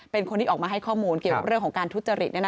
เป็นคนที่ออกมาให้ข้อมูลเกี่ยวกับเรื่องของการทุจริต